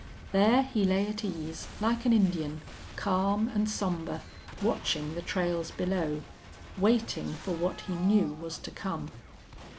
There he lay at ease, like an Indian, calm and somber, watching the trails below, waiting for what he knew was to come.